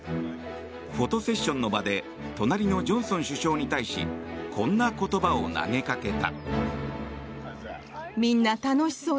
フォトセッションの場で隣のジョンソン首相に対しこんな言葉を投げかけた。